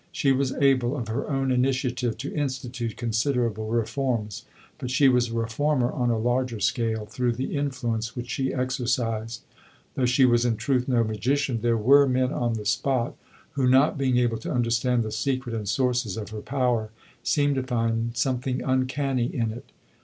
She was able of her own initiative to institute considerable reforms; but she was a reformer on a larger scale through the influence which she exercised. Though she was in truth no magician, there were men on the spot who, not being able to understand the secret and sources of her power, seemed to find something uncanny in it.